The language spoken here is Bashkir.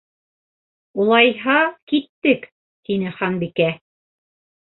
—Улайһа киттек, —тине Ханбикә.